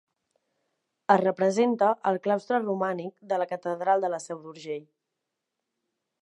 Es representa al claustre romànic de la Catedral de la Seu d'Urgell.